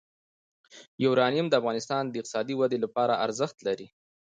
یورانیم د افغانستان د اقتصادي ودې لپاره ارزښت لري.